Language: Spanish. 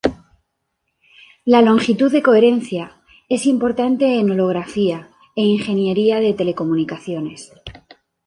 La longitud de coherencia es importante en holografía e ingeniería de telecomunicaciones.